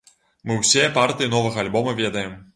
Мы ўсе партыі новага альбома ведаем.